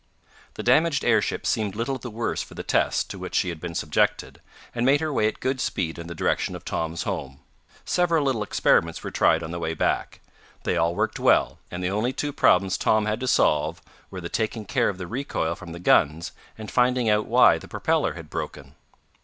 The damaged airship seemed little the worse for the test to which she had been subjected, and made her way at good speed in the direction of Tom's home. Several little experiments were tried on the way back. They all worked well, and the only two problems Tom had to solve were the taking care of the recoil from the guns and finding out why the propeller had broken.